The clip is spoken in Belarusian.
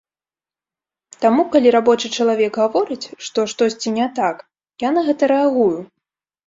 Таму калі рабочы чалавек гаворыць, што штосьці не так, я на гэта рэагую.